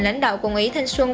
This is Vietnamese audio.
lãnh đạo của nguyễn thanh xuân